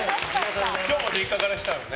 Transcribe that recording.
今日も実家から来たんですね。